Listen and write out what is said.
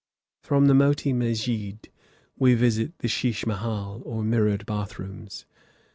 From the Moti Mesjid, we visit the Shish Mahal, or mirrored bath rooms.